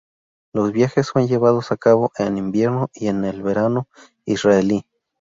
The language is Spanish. Los viajes son llevados a cabo en invierno y en el verano israelí.